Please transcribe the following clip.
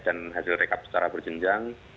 dan hasil rekap secara berjenjang